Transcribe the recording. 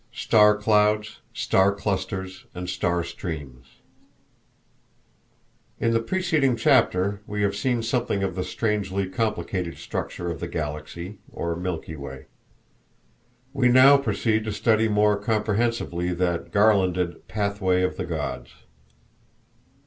II Star Clouds, Star Clusters, and Star Streams In the preceding chapter we have seen something of the strangely complicated structure of the Galaxy, or Milky Way. We now proceed to study more comprehensively that garlanded "Pathway of the Gods."